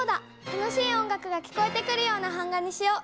楽しい音楽が聞こえてくるような版画にしよう。